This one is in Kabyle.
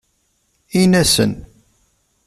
Ini-asen.